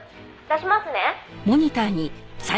出しますね」